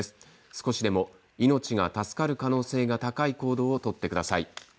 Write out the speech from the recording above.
少しでも命が助かる可能性が高い行動を取ってください。